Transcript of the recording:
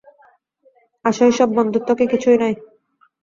আশৈশব বন্ধুত্ব কি কিছুই নয়।